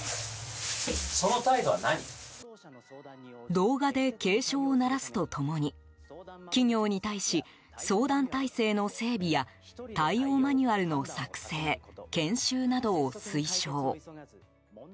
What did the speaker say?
動画で警鐘を鳴らすと共に企業に対し、相談体制の整備や対応マニュアルの作成、研修などを推奨。